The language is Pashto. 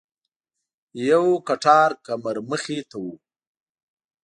یو کټار کمر مخې ته و.